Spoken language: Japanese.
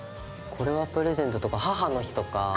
これはプレゼントとか母の日とか。